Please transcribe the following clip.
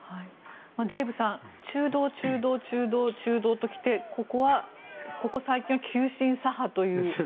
デーブさん中道、中道、中道、中道と来てここ最近は急進左派という。